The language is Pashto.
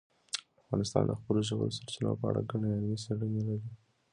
افغانستان د خپلو ژورو سرچینو په اړه ګڼې علمي څېړنې لري.